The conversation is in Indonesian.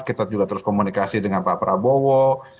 kita juga terus komunikasi dengan pak prabowo